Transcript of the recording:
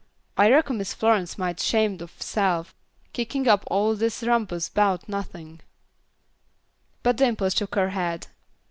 I reckon Miss Flo'ence mighty 'shamed o' herse'f, kickin' up all dis rumpus 'bout nothin'." But Dimple shook her head.